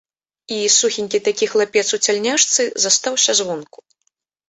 І сухенькі такі хлапец у цяльняшцы застаўся звонку.